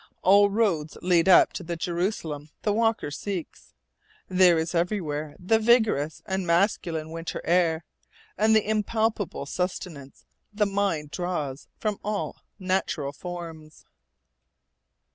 All roads lead up to the Jerusalem the walker seeks. There is everywhere the vigorous and masculine winter air, and the impalpable sustenance the mind draws from all natural forms.